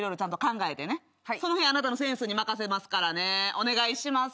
お願いします。